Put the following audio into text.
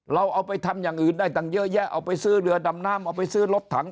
เราเอาไปทำอย่างอื่นได้ตั้งเยอะแยะเอาไปซื้อเรือดำน้ำเอาไปซื้อรถถัง